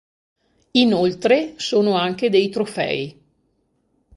Inoltre sono anche dei trofei.